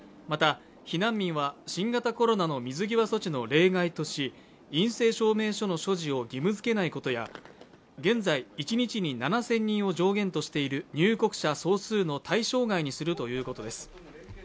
また、避難民は新型コロナの水際措置の例外とし陰性証明書の所持を義務づけないことや現在、一日に７０００人を上限としている入国者総数の対象外にするということです。